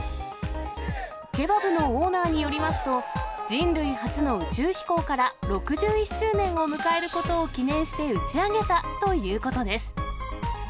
ケバブのオーナーによりますと、人類初の宇宙飛行から６１周年を迎えることを記念して打ち上げたということです。